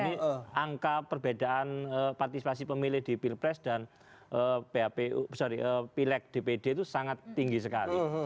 ini angka perbedaan partisipasi pemilih di pilpres dan pileg dpd itu sangat tinggi sekali